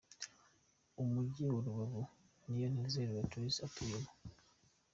Umugi wa Rubavu Niyonteze Leatitia atuyemo.